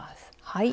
はい。